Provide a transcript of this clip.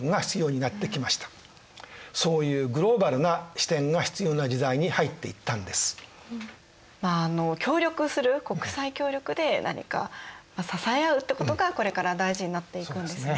そしてこのようなまあ協力する国際協力で何か支え合うってことがこれから大事になっていくんですね。